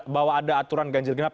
bahwa ada aturan ganjil genap